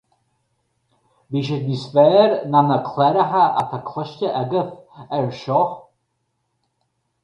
Beidh siad níos fearr ná na cláranna atá cloiste agaibh air seo.